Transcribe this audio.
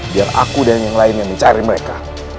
biar aku dan yang lain yang mencari mereka